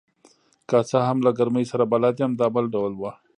که څه هم له ګرمۍ سره بلد یم، دا بل ډول وه.